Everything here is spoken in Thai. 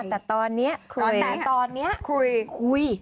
แต่ตอนนี้คุย